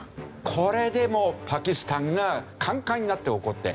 これでもうパキスタンがカンカンになって怒って。